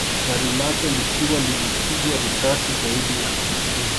Gari lake likiwa limepigwa risasi zaidi ya hamsini